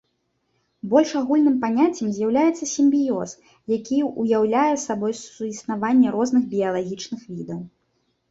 Больш агульным паняццем з'яўляецца сімбіёз, які ўяўляе сабой суіснаванне розных біялагічных відаў.